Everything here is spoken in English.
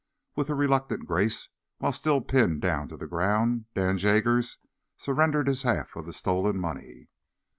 With a reluctant grace, while still pinned down to the ground, Dan Jaggers surrendered his half of the stolen money.